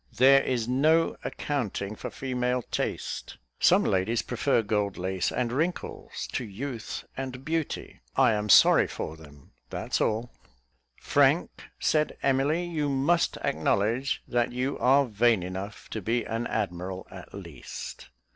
There is no accounting for female taste; some ladies prefer gold lace and wrinkles, to youth and beauty I am sorry for them, that's all." "Frank," said Emily, "you must acknowledge that you are vain enough to be an admiral at least."